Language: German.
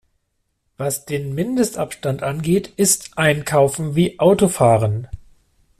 Was den Mindestabstand angeht, ist Einkaufen wie Autofahren.